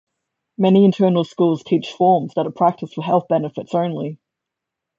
Many internal schools teach forms that are practised for health benefits only.